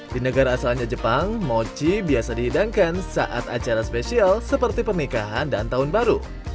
di negara asalnya jepang mochi biasa dihidangkan saat acara spesial seperti pernikahan dan tahun baru